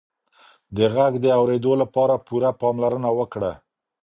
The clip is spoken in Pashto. د غږ د اورېدو لپاره پوره پاملرنه وکړه.